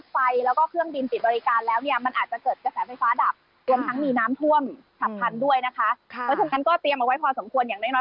เพราะฉะนั้นก็เตรียมเอาไว้พอสมควรอย่างน้อย